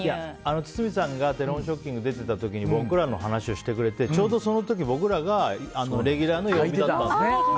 堤さんがテレフォンショッキングに出ていた時に僕らの話をしてくれてちょうど、その時僕らがレギュラーだったんです。